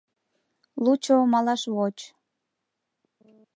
— Лучо малаш воч.